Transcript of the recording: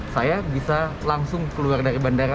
saya bisa langsung keluar dari bandara